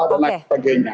dan lain sebagainya